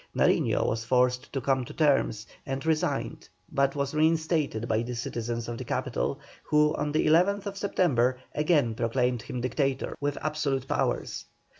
Nariño was forced to come to terms, and resigned, but was reinstated by the citizens of the capital, who, on the 11th September, again proclaimed him Dictator, with absolute powers.